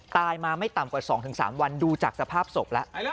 ตายมาไม่ต่ำกว่า๒๓วันดูจากสภาพศพแล้ว